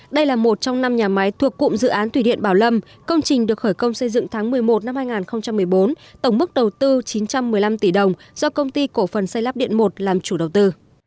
đây là một trong năm nhà máy thuộc cụm dự án thủy điện bảo lâm công trình được khởi công xây dựng tháng một mươi một năm hai nghìn một mươi bốn tổng mức đầu tư chín trăm một mươi năm tỷ đồng do công ty cổ phần xây lắp điện một làm chủ đầu tư